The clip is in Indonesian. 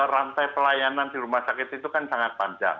rantai pelayanan di rumah sakit itu kan sangat panjang